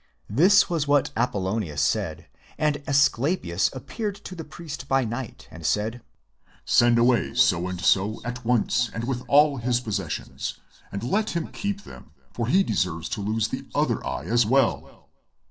This was what Apollonius said: and _ Asclepius appeared to the priest by night, and said :_ "Send away so and so at once with all his possessions, _and let him keep them, for he deserves to lose the _ other eye as well."